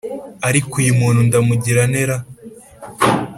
ariko uyu muntu ndamugira nte ra!